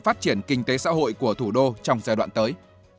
phát triển kinh tế xã hội của thủ đô trong giai đoạn tới